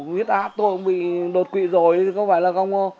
huyết ác tôi cũng bị đột quỵ rồi có phải là không không